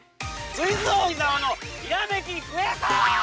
◆「クイズ王・伊沢のひらめきクエスト」！！